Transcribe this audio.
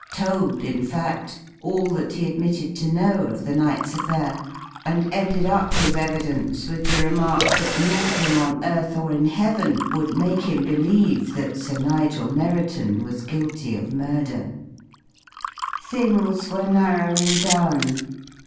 Told, in fact, all that he admitted to know of the night's affair, and ended up his evidence with the remark that "nothing on earth or in heaven would make him believe that Sir Nigel Merriton was guilty of murder." Things were narrowing down.